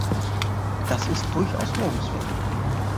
Das ist durchaus lobenswert.